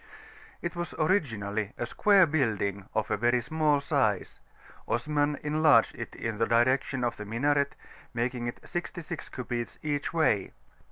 It was originally a square building of very small size; Osman enlarged it in the direction of the minaret, making it sixty six cubits each way.